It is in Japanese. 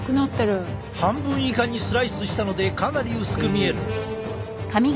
半分以下にスライスしたのでかなり薄く見える。